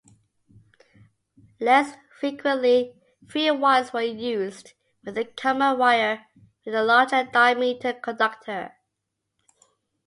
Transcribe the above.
Less frequently, three wires were used, with a common wire with a larger-diameter conductor.